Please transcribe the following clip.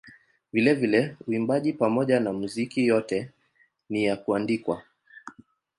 Vilevile uimbaji pamoja na muziki yote ni ya kuandikwa.